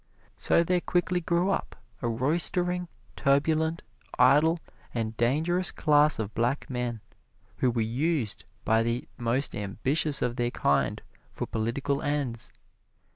So there quickly grew up a roistering, turbulent, idle and dangerous class of black men who were used by the most ambitious of their kind for political ends.